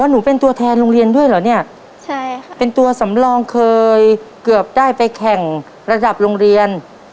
หนูเป็นตัวแทนโรงเรียนด้วยเหรอเนี่ยใช่ค่ะเป็นตัวสำรองเคยเกือบได้ไปแข่งระดับโรงเรียน